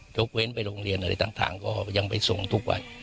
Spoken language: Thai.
ยกเว้นไปโรงเรียนอะไรต่างก็ยังไปส่งทุกวัน